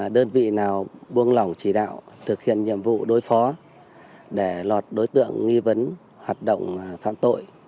đơn vị nào buông lỏng chỉ đạo thực hiện nhiệm vụ đối phó để lọt đối tượng nghi vấn hoạt động phạm tội